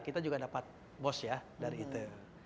kita juga dapat bos ya dari itu